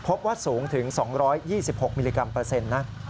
พบว่าสูงถึง๒๒๖มิลลิกรัมเปอร์เซ็นต์นะ